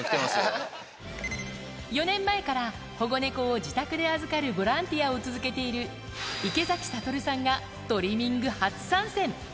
４年前から保護猫を自宅で預かるボランティアを続けている、池崎慧さんがトリミング初参戦。